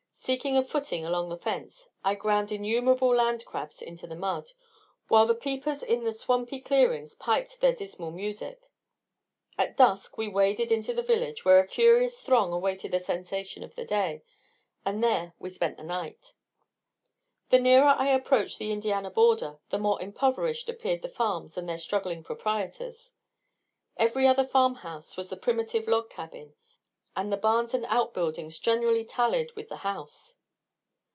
Seeking a footing along the fence, I ground innumerable land crabs into the mud, while the peepers in the swampy clearings piped their dismal music. At dusk we waded into the village where a curious throng awaited the sensation of the day. And there we spent the night. The nearer I approached the Indiana border, the more impoverished appeared the farms and their struggling proprietors. Every other farm house was the primitive log cabin, and the barns and outbuildings generally tallied with the house.